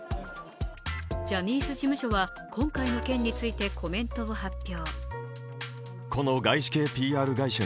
ジャニーズ事務所は今回の件についてコメントを発表。